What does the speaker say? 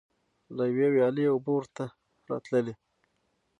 له یوې ویالې اوبه ورته راتللې.